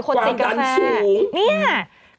ความรันสูงคนติดกาแฟ